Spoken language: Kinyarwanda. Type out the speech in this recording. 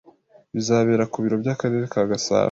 Bizabera ku biro by’akarere ka gasabo